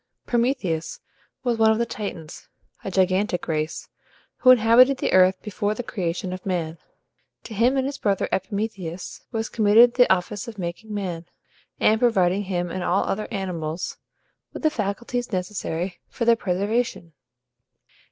Prometheus was one of the Titans, a gigantic race, who inhabited the earth before the creation of man. To him and his brother Epimetheus was committed the office of making man, and providing him and all other animals with the faculties necessary for their preservation.